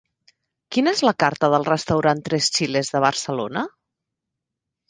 Quina és la carta del restaurant Tres Chiles de Barcelona?